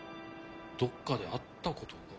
どっかで会ったことが。